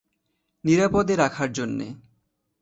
নিরাপদে রাখার জন্যে।